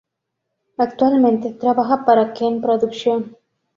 Actualmente, trabaja para Ken Production.